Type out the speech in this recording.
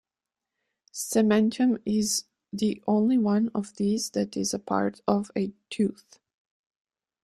Cementum is the only one of these that is a part of a tooth.